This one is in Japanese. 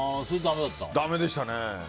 だめでしたね。